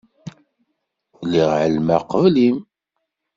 Lliɣ εelmeɣ qbel-im.